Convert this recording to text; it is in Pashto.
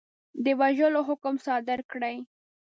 د وژلو حکم صادر کړي.